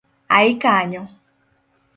Ai kanyo!